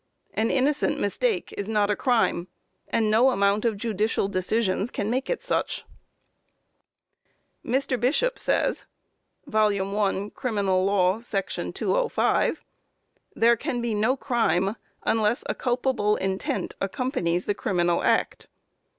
An innocent mistake is not a crime, and no amount of judicial decisions can make it such. Mr. Bishop says, (1 Cr. Law, §205): "There can be no crime unless a culpable intent accompanies the criminal act."